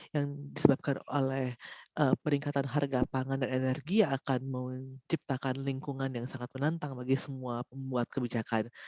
yang disebabkan oleh peningkatan harga pangan dan energi yang akan menciptakan lingkungan yang sangat menantang bagi semua pembuat kebijakan